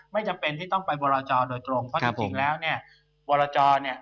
ไม่จำเป็นที่ต้องไปบรจอโดยตรงเพราะจริงแล้วเนี่ยวรจเนี่ย